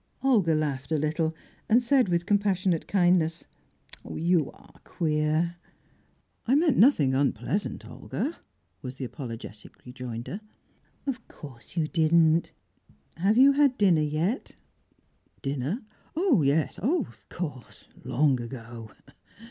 Olga laughed a little, and said, with compassionate kindness: "You are queer!" "I meant nothing unpleasant, Olga," was the apologetic rejoinder. "Of course you didn't. Have you had dinner yet?" "Dinner? Oh yes of course, long ago!"